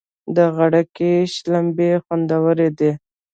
د غړکی شلومبی خوندوری وی.